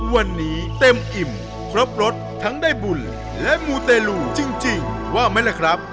วันนี้เต็มอิ่มครบรสทั้งได้บุญและมูเตลูจริงว่าไหมล่ะครับ